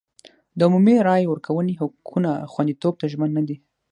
د عمومي رایې ورکونې حقونو خوندیتوب ته ژمن نه دی.